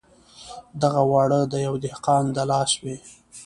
دغه واړه د یوه دهقان د لاس وې.